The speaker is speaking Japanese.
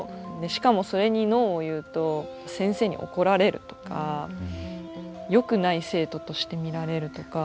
しかもそれにノーを言うと先生に怒られるとかよくない生徒として見られるとか。